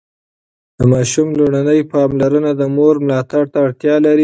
د ماشوم لومړني پاملرنه د مور ملاتړ ته اړتیا لري.